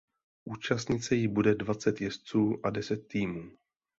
Účastnit se jí bude dvacet jezdců a deset týmů.